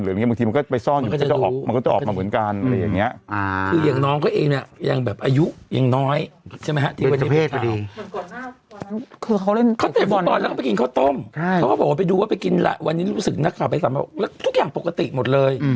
แล้วทุกอย่างปกติหมดเลย